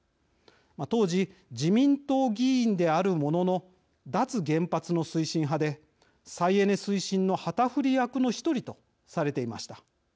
当時、自民党議員であるものの脱原発の推進派で再エネ推進の旗振り役の１人とされていました。